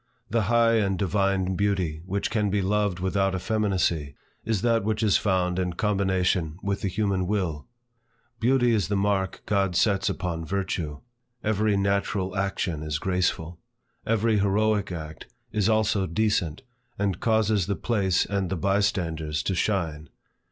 The high and divine beauty which can be loved without effeminacy, is that which is found in combination with the human will. Beauty is the mark God sets upon virtue. Every natural action is graceful. Every heroic act is also decent, and causes the place and the bystanders to shine.